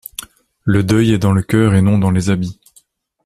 Le deuil est dans le cœur et non dans les habits.